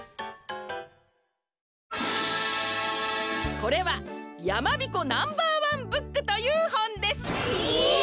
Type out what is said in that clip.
これは「やまびこナンバーワンブック」というほんです！え！？